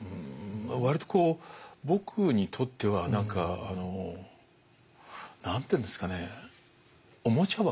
割とこう僕にとっては何か何て言うんですかねおもちゃ箱。